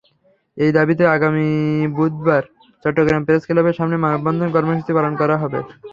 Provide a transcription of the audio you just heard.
একই দাবিতে আগামী বুধবার চট্টগ্রাম প্রেসক্লাবের সামনে মানববন্ধন কর্মসূচি পালন করা হবে।